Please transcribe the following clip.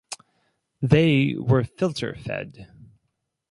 They were filter fed.